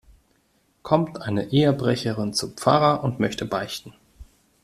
Kommt eine Ehebrecherin zum Pfarrer und möchte beichten.